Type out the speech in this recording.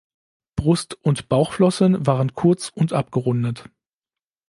Brust- und Bauchflossen waren kurz und abgerundet.